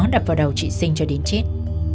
đập vào đầu chị xinh cho đến chết